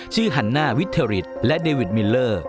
ฮันน่าวิเทอริตและเดวิดมิลเลอร์